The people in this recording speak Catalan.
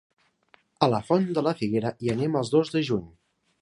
A la Font de la Figuera hi anem el dos de juny.